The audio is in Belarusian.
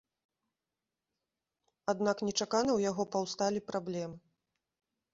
Аднак нечакана ў яго паўсталі праблемы.